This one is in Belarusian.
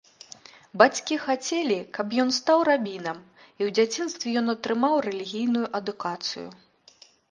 Бацькі хацелі, каб ён стаў рабінам, і ў дзяцінстве ён атрымаў рэлігійнае адукацыю.